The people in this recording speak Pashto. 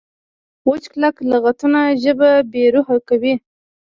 وچ کلک لغتونه ژبه بې روحه کوي.